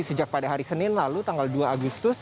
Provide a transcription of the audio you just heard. sejak pada hari senin lalu tanggal dua agustus